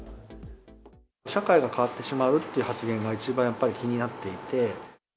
社会が変わってしまうという発言が一番やっぱり気になっていて。